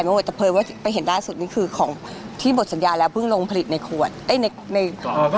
เมื่อกายมันเห็นได้สุดคือของที่บอกที่หมดสัญญาแล้วพึ่งลงผลิตในกร่อง